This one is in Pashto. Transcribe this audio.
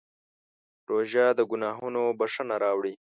روژه د ګناهونو بښنه راوړي.